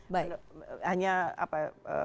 baik hanya apa